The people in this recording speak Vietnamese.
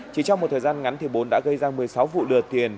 chỉ trong một thời gian ngắn bốn đã gây ra một mươi sáu vụ lừa tiền